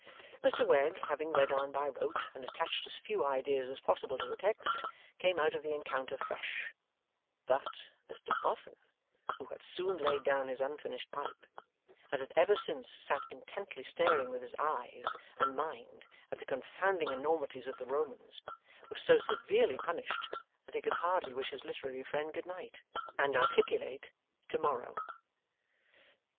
Mr Wegg, having read on by rote and attached as few ideas as possible to the text, came out of the encounter fresh; but, Mr Boffin, who had soon laid down his unfinished pipe, and had ever since sat intently staring with his eyes and mind at the confounding enormities of the Romans, was so severely punished that he could hardly wish his literary friend Good night, and articulate 'Tomorrow.